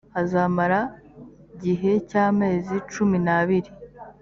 azamara gihe cy’amezi cumi n’abiri